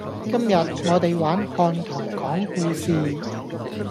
今日我哋玩看圖講故事